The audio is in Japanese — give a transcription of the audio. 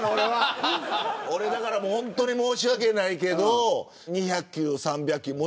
本当に申し訳ないけど２００球、３００球